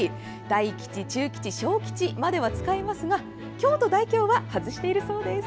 大吉、中吉、小吉までは使いますが凶と大凶は外しているそうです。